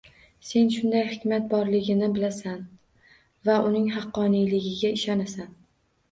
Sen shunday hikmat borligini bilasan va uning haqqoniyligiga ishonasan: